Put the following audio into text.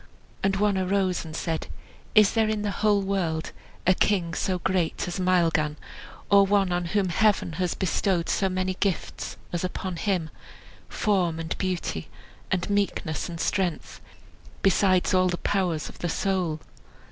And one arose and said, "Is there in the whole world a king so great as Maelgan, or one on whom Heaven has bestowed so many gifts as upon him; form, and beauty, and meekness, and strength, besides all the powers of the soul?"